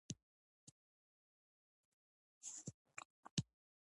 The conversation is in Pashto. افغانستان کې مورغاب سیند د هنر په اثار کې منعکس کېږي.